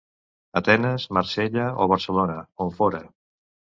Atenes, Marsella o Barcelona, on fóra.